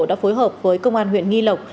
đã phối hợp với công an huyện nghi lộc